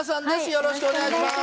よろしくお願いします